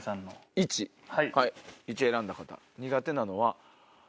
１選んだ方苦手なのは。